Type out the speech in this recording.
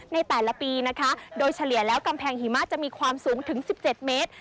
ในแต่ละปีนะคะโดยเฉลี่ยแล้วกำแพงหิมะจะมีความสูงถึง๑๗เมตร